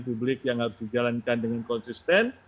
publik yang harus dijalankan dengan konsisten